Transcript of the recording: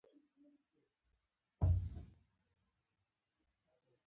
ورځ راباندې کال تېرېده.